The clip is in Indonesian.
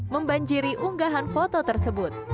membanjiri unggahan foto tersebut